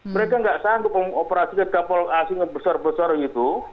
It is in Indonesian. mereka nggak sanggup mengoperasikan kapal asing yang besar besar itu